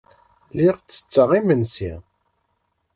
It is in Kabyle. Lliɣ ttetteɣ imensi.